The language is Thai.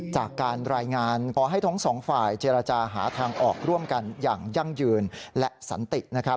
จากการรายงานขอให้ทั้งสองฝ่ายเจรจาหาทางออกร่วมกันอย่างยั่งยืนและสันตินะครับ